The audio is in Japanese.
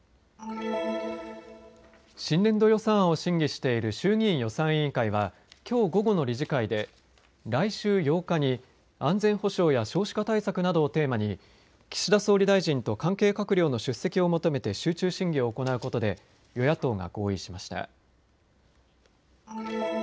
新年度予算案を審議している衆議院予算委員会はきょう午後の理事会で来週８日に安全保障や少子化対策などをテーマに岸田総理大臣と関係閣僚の出席を求めて集中審議を行うことで与野党が合意しました。